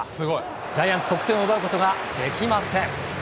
ジャイアンツ、得点を奪うことができません。